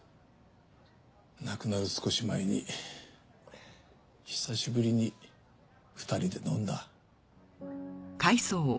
亡くなる少し前に久しぶりに２人で飲んだ。